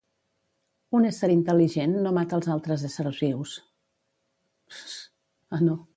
Un ésser intel·ligent no mata els altres éssers vius